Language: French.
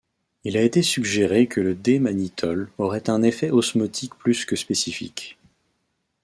Il a été suggéré que le D-mannitol aurait un effet osmotique plus que spécifique.